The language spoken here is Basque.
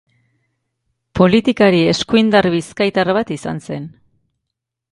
Politikari eskuindar bizkaitar bat izan zen.